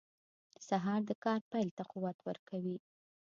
سهار د کار پیل ته قوت ورکوي.